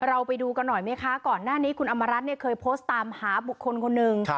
ไปดูกันหน่อยไหมคะก่อนหน้านี้คุณอำมารัฐเนี่ยเคยโพสต์ตามหาบุคคลคนหนึ่ง